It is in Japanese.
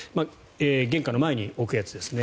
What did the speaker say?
玄関の前に置くやつですね。